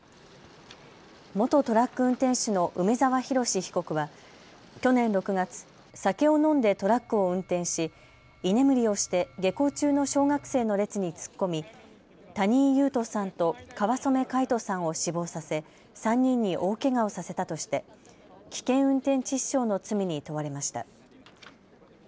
元トラック運転手の梅澤洋被告は去年６月、酒を飲んでトラックを運転し居眠りをして下校中の小学生の列に突っ込み谷井勇斗さんと川染凱仁さんを死亡させ３人に大けがをさせたとして危険運転致死傷の罪に問われました。